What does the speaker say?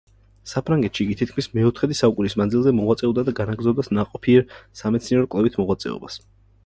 საფრანგეთში იგი თითქმის მეოთხედი საუკუნის მანძილზე მოღვაწეობდა და განაგრძობდა ნაყოფიერ სამეცნიერო-კვლევით მოღვაწეობას.